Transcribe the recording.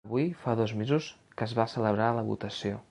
Avui fa dos mesos que es va celebrar la votació.